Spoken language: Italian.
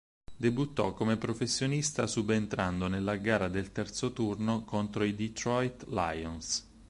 Debuttò come professionista subentrando nella gara del terzo turno contro i Detroit Lions.